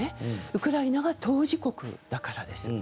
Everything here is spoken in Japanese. ウクライナが当事国だからです。